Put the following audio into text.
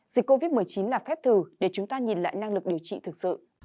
dịch covid một mươi chín là phép thử để chúng ta nhìn lại năng lực điều trị thực sự